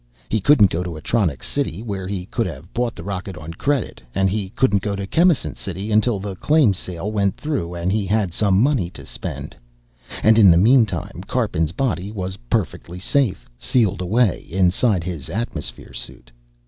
He couldn't go to Atronics City, where he could have bought the rocket on credit, and he couldn't go to Chemisant City until the claim sale went through and he had some money to spend. And in the meantime, Karpin's body was perfectly safe, sealed away inside his atmosphere suit.